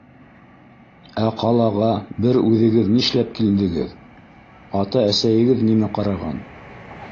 Ә ҡалаға бер үҙегеҙ нишләп килдегеҙ? Ата-әсәйегеҙ нимә ҡараған?